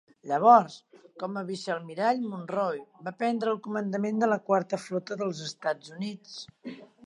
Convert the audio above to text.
Llavors, com a vicealmirall, Munroe va prendre el comandament de la Quarta Flota dels Estats Units.